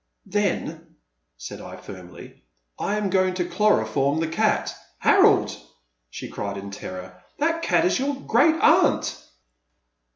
Then," said I firmly, I am going to chloro form the cat." "Harold!" she cried in terror, that cat is your great aunt